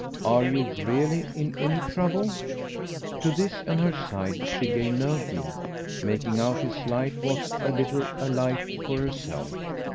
"Are you REALLY in any trouble?" To this, on her side, she gave no heed. Making out his light was a little a light for herself.